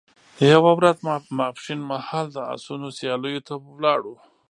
یوه ورځ ماپښین مهال د اسونو سیالیو ته ولاړو.